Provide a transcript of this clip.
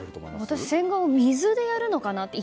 私、洗顔を水でやるのかなと。